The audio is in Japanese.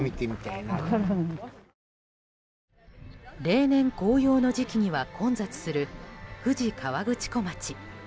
例年、紅葉の時期には混雑する富士河口湖町。